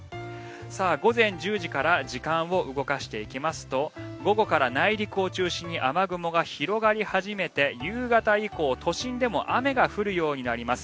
午前１０時から時間を動かしていきますと午後から内陸を中心に雨雲が広がり始めて夕方以降、都心でも雨が降るようになります。